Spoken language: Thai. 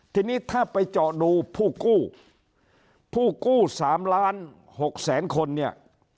ทีนี้ถ้าไปเจาะดูผู้กู้ผู้กู้๓๖๐๐๐๐๐คนเนี่ย